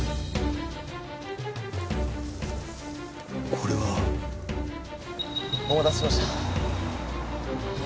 これは。お待たせしました。